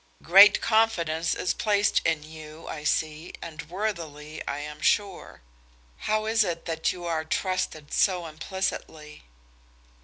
"Great confidence is placed in you, I see, and worthily, I am sure. How is it that you are trusted so implicitly?"